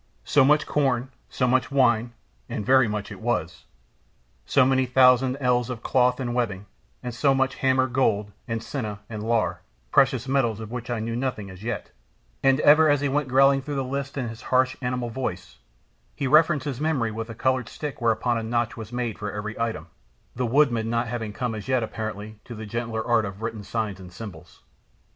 So much corn, so much wine and very much it was so many thousands ells of cloth and webbing, and so much hammered gold, and sinah and lar, precious metal of which I knew nothing as yet; and ever as he went growling through the list in his harsh animal voice, he refreshed his memory with a coloured stick whereon a notch was made for every item, the woodmen not having come as yet, apparently, to the gentler art of written signs and symbols.